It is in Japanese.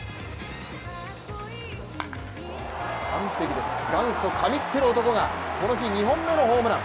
完璧です、元祖・神ってる男がこの日２本目のホームラン。